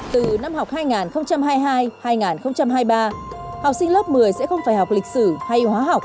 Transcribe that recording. từ năm học hai nghìn hai mươi hai hai nghìn hai mươi ba học sinh lớp một mươi sẽ không phải học lịch sử hay hóa học